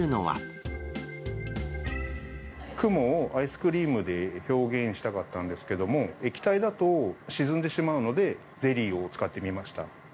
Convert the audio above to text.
雲をアイスクリームで表現したかったんですけども、液体だと沈んでしまうので、ゼリーを使ってみました。